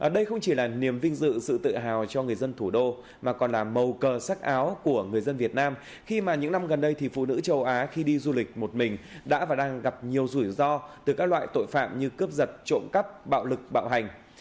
đây không chỉ là niềm vinh dự sự tự hào cho người dân thủ đô mà còn là màu cờ sắc áo của người dân việt nam khi mà những năm gần đây thì phụ nữ châu á khi đi du lịch một mình đã và đang gặp nhiều rủi ro từ các loại tội phạm như cướp giật trộm cắp bạo lực bạo hành